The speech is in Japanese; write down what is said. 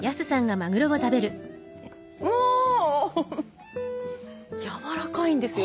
おやわらかいんですよ。